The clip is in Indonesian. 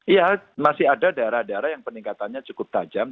iya masih ada daerah daerah yang peningkatannya cukup tajam